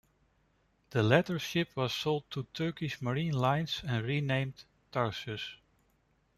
The latter ship was sold to Turkish Maritime Lines and renamed "Tarsus".